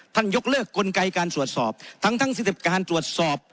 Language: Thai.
ท่านยกเลิกกลไกการสวดสอบทั้งสิทธิปการณ์สวดสอบ